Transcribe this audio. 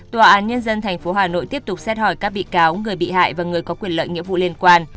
tòa án nhân dân tp hà nội tiếp tục xét hỏi các bị cáo người bị hại và người có quyền lợi nghĩa vụ liên quan